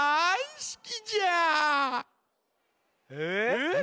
え？